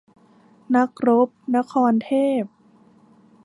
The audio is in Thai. นักรบ-นครเทพ